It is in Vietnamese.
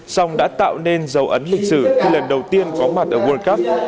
song đã tạo nên dấu ấn lịch sử khi lần đầu tiên có mặt ở world cup